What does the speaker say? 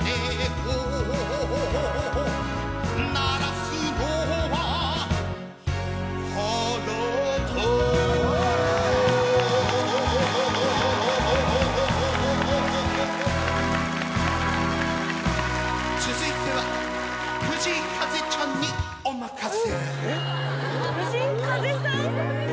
すごい！続いては藤井風ちゃんにお任せ！